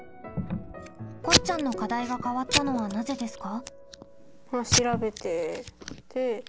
こっちゃんの課題が変わったのはなぜですか？